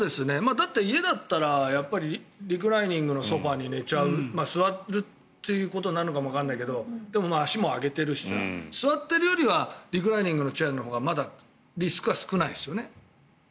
だって、家だったらリクライニングのソファに寝ちゃう座るということなのかもわからないけどでも、足も上げてるしさ座っているよりはリクライニングのチェアのほうがまだリスクは少ないですよね。